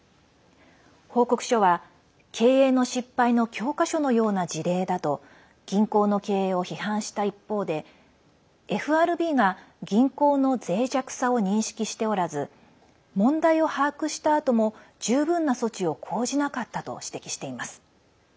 報告書は、経営の失敗の教科書のような事例だと銀行の経営を批判した一方でＦＲＢが、銀行のぜい弱さを認識しておらず問題を把握したあとも十分な措置を講じなかったと指摘しています。